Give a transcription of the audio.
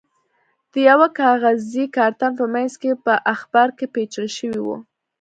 د یوه کاغذي کارتن په منځ کې په اخبار کې پېچل شوی و.